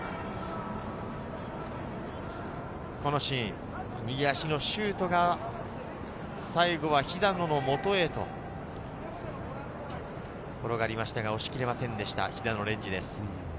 このシーン、右足のシュートが最後は肥田野のもとへ転がりましたが押し切れませんでした、肥田野蓮治です。